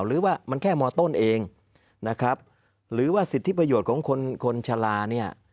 หรือว่ามันแค่มต้นเองนะครับหรือว่าสิทธิประโยชน์ของคนคนชะลาเนี่ย